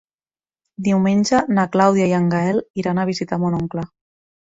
Diumenge na Clàudia i en Gaël iran a visitar mon oncle.